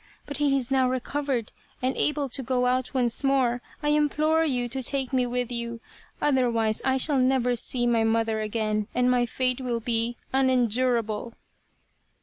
But he is now recovered and able to go out once more. I implore you to take me with you, otherwise I shall never see my mother again and my fate will be unendurable."